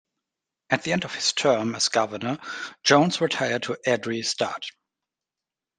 At the end of his term as governor, Jones retired to Airdrie Stud.